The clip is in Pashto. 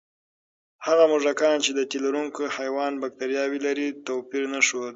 هغه موږکان چې د تیلرونکي حیوان بکتریاوې لري، توپیر نه ښود.